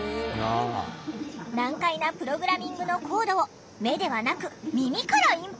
難解なプログラミングのコードを目ではなく耳からインプット。